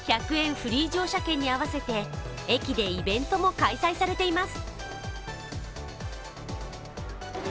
フリー乗車券に合わせて駅でイベントも開催されています。